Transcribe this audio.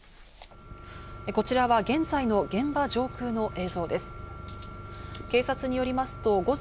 こちらは現在の現場上空の映像です。